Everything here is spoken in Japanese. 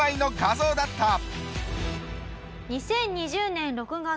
２０２０年６月。